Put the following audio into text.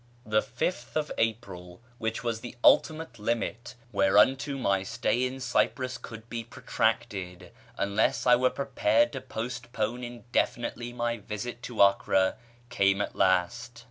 The fifth of April, which was the ultimate limit whereunto my stay in Cyprus could be protracted, unless I were prepared to postpone indefinitely my visit to Acre, came at last.